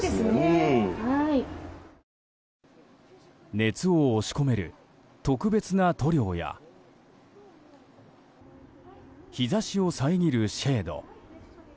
熱を押し込める特別な塗料や日差しを遮るシェード。